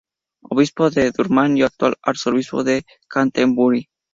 Obispo de Durham y actual arzobispo de Canterbury.